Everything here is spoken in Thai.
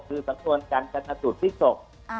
คือสำนวนการจัดหนัดสูตรฟิศกษ์